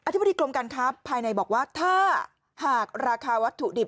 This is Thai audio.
ธิบดีกรมการค้าภายในบอกว่าถ้าหากราคาวัตถุดิบ